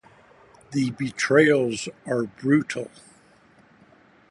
The betrayals are brutal.